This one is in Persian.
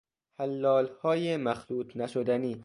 حلالهای مخلوط نشدنی